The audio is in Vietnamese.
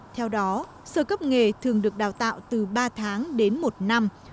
theo đó sơ cấp nghề thường được đào tạo từ ba tháng đến một năm